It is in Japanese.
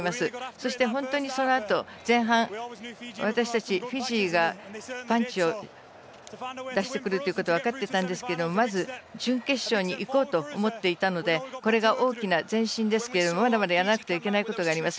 そして、そのあと本当に前半、私たち、フィジーがパンチを出してくるということは分かっていたんですけどまず準決勝にいこうと思っていたのでこれが大きな前進ですけれどもまだまだやらなくてはいけないことがあります。